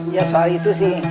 ya soal itu sih